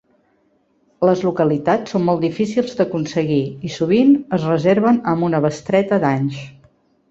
Les localitats són molt difícils d'aconseguir i sovint es reserven amb una bestreta d'anys.